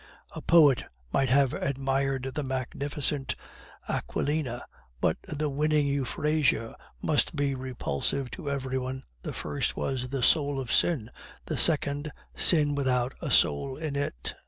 A poet might have admired the magnificent Aquilina; but the winning Euphrasia must be repulsive to every one the first was the soul of sin; the second, sin without a soul in it.